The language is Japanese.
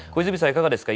いかがですか？